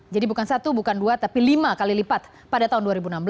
jadi bukan satu bukan dua tapi lima kali lipat pada tahun dua ribu enam belas